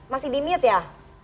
masih di mute ya